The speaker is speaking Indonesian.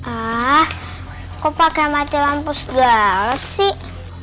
ah kok pakai mati lampu segala sih